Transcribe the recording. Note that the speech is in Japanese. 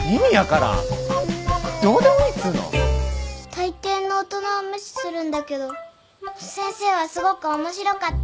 たいていの大人は無視するんだけど先生はすごく面白かった。